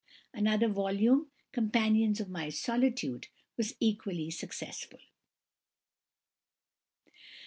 Another volume, "Companions of my Solitude," was equally successful.